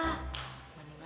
menikahkan si nyomoteh kemana